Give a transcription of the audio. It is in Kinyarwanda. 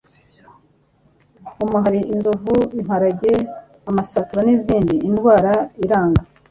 umuhari, inzovu, imparage, amasatura n'izindi. indwara iranga (...